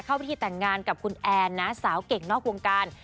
เข้าพิธีแต่งงานกับคุณแอนนะสาวเก่งนอกวงการ